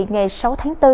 ngày sáu tháng bốn